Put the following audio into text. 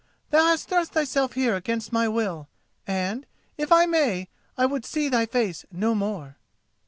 Thou hast thrust thyself here against my will and, if I may, I would see thy face no more."